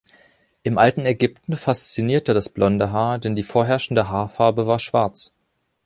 Im alten Ägypten faszinierte das blonde Haar, denn die vorherrschende Haarfarbe war Schwarz.